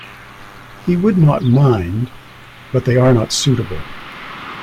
He would not mind; but they are not suitable.